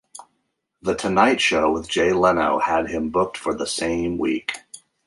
"The Tonight Show with Jay Leno" had him booked for the same week.